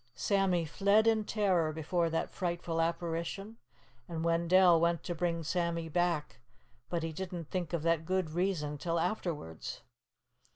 Sammy fled in terror before that frightful apparition, and Wendell went to bring Sammy back, but he didn't think of that good reason till afterwards.